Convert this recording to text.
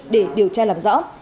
để điều tra làm rõ